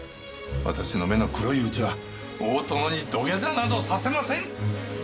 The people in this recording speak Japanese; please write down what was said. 私の目の黒いうちは大殿に土下座などさせません！